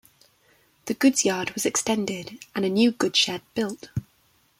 The goods yard was extended and a new goods shed built.